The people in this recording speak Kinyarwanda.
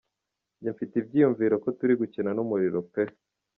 Njye mfite ibyiyumviro ko turi gukina n’umuriro pe!” .